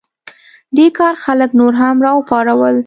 دې کار خلک نور هم راوپارول.